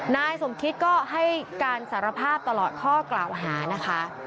นายสมคิตก็ให้การสารภาพตลอดข้อกล่าวหานะคะ